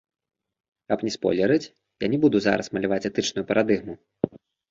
Каб не спойлерыць, я не буду зараз маляваць этычную парадыгму.